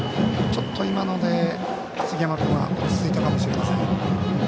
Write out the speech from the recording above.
ちょっと今ので杉山君は落ち着いたかもしれません。